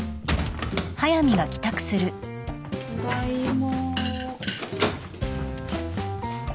ただいま。